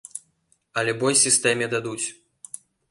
Але бой сістэме дадуць.